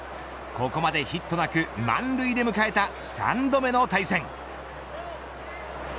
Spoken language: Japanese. ここまでヒットなく満塁で迎えた３度目の対戦。